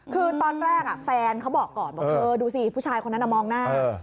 คือตอนแรกแฟนเขาบอกก่อนบอกเธอดูสิผู้ชายคนนั้นมองหน้า